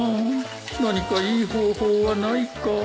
何かいい方法はないか。